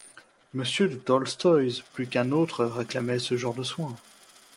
Monsieur de Tolstoy plus qu'un autre réclamait ce genre de soins.